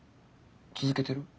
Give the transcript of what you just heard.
続けてる？